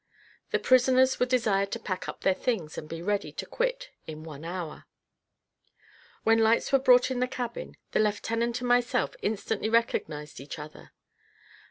The prisoners were desired to pack up their things, and be ready to quit in one hour. When lights were brought in the cabin, the lieutenant and myself instantly recognised each other.